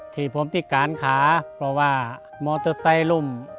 ที่ผมพิการขาเพราะว่ามอเตอร์ไซค์ล่ม